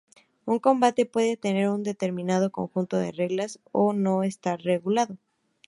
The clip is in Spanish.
Un combate puede tener un determinado conjunto de reglas o no estar regulado.